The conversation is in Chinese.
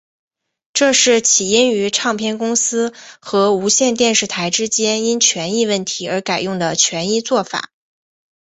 这是起因于唱片公司和无线电视台之间因权益问题而改用的权宜作法。